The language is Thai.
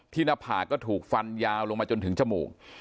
หน้าผากก็ถูกฟันยาวลงมาจนถึงจมูก